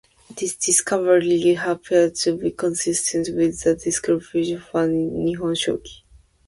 This discovery appeared to be consistent with the description found in "Nihon Shoki".